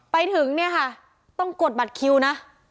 ไปถึงเนี่ยค่ะต้องกดบัตรคิวนะ